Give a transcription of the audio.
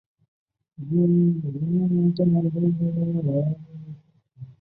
玎眼蝶属是蛱蝶科眼蝶亚科络眼蝶族中的一个属。